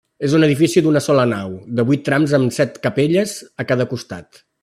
És un edifici d'una sola nau, de vuit trams amb set capelles a cada costat.